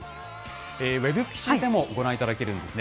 ウェブ記事でもご覧いただけるんですね。